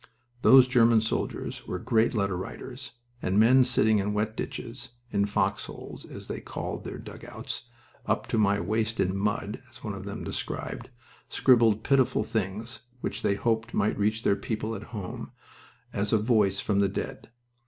Those German soldiers were great letter writers, and men sitting in wet ditches, in "fox holes," as they called their dugouts, "up to my waist in mud," as one of them described, scribbled pitiful things which they hoped might reach their people at home, as a voice from the dead.